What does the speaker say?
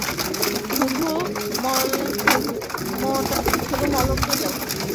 শুধু মলমটা দাও।